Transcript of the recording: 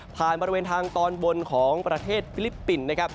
บริเวณทางตอนบนของประเทศฟิลิปปินส์นะครับ